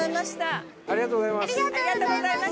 ありがとうございます。